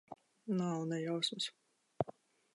Nav ne jausmas.